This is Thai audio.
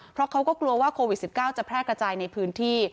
เพราะเขาก็กลัวว่าโควิด๑๙จะแพร่กระจายในพื้นที่